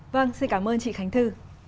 vâng xin cảm ơn chị khánh thư